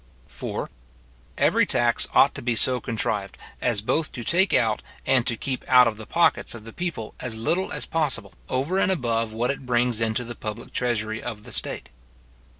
4. Every tax ought to be so contrived, as both to take out and to keep out of the pockets of the people as little as possible, over and above what it brings into the public treasury of the state.